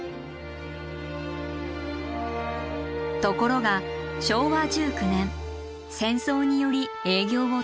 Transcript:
ところが昭和１９年戦争により営業を停止。